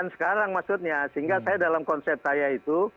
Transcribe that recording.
sekarang maksudnya sehingga saya dalam konsep saya itu